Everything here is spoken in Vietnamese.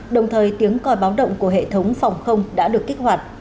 đồng thời tiếng coi báo động của hệ thống phòng không đã được kích hoạt